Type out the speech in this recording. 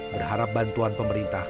berharap bantuan pemerintah